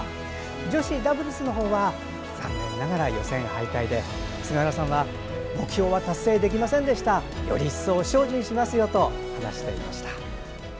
女子ダブルスの方は残念ながら予選敗退で菅原さんは目標は達成できませんでしたより一層精進しますよと話していました。